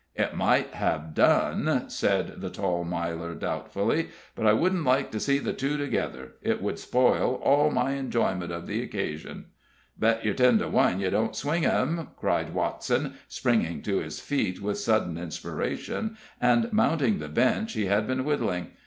"It might have done," said the tall Miler, doubtfully; "but I wouldn't like to see the two together. It would spoil all my enjoyment of the occasion." "Bet yer ten to one ye don't swing him!" cried Watson, springing to his feet with sudden inspiration, and mounting the bench he had been whittling.